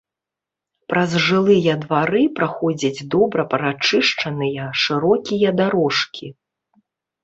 Праз жылыя двары праходзяць добра прачышчаныя шырокія дарожкі.